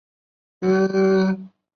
岁月不居，时节如流。